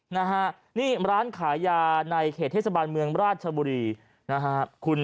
นะฮะนี่ร้านขายยาในเขตเทศบาลเมืองราชบุรีนะฮะ